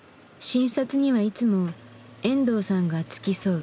診察にはいつも遠藤さんが付き添う。